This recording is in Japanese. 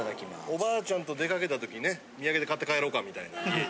おばあちゃんと出かけた時ね土産で買って帰ろうかみたいな家に。